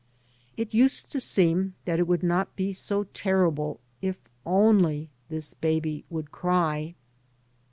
It used to seem that it would not be so terrible if only this baby would cry.